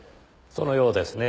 そのようですね。